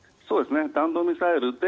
弾道ミサイルで